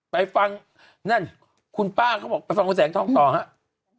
ไปฟังนั่นคุณป้าเขาบอกไปฟังคุณแสงทองต่อครับ